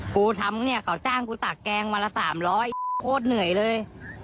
กูทำเนี่ยเขาจ้างกูตากแกงวันละ๓๐๐โคตรเหนื่อยเลย